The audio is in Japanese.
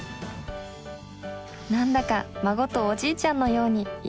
なんだか孫とおじいちゃんのようにいい感じ。